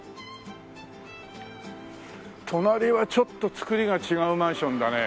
隣はちょっと造りが違うマンションだね。